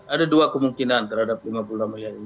ada dua kemungkinan terhadap lima puluh enam miliar ini